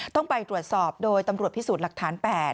ต้องไปตรวจสอบโดยตำรวจพิสูจน์หลักฐาน๘